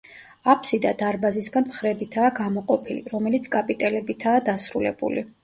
აფსიდა დარბაზისგან მხრებითაა გამოყოფილი, რომელიც კაპიტელებითაა დასრულებული.